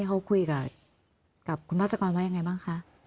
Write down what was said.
เขาคุยกับคุณมัศกรว่ายังไงบ้างคะ